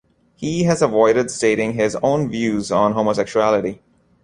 He has avoided stating his own views on homosexuality.